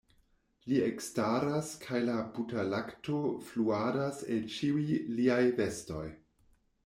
Li ekstaras kaj la buterlakto fluadas el ĉiuj liaj vestoj.